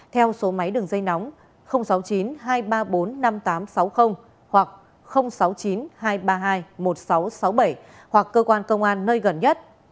theo số máy đường dây nóng sáu mươi chín hai trăm ba mươi bốn năm nghìn tám trăm sáu mươi hoặc sáu mươi chín hai trăm ba mươi hai một nghìn sáu trăm sáu mươi bảy hoặc cơ quan công an nơi gần nhất